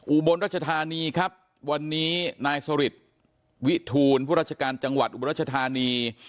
อุบลรัชธานีครับวันนี้นายสริทวิทูลผู้ราชการจังหวัดอุบรัชธานี